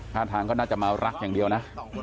ท่าทางก็น่าจะมารักอย่างเดียวนะ